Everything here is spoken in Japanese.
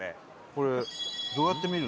これどうやって見る？